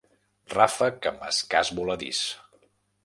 Ràfec amb escàs voladís.